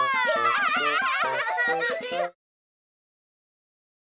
ハハハハハ！